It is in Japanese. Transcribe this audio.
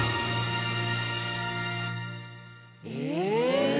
え？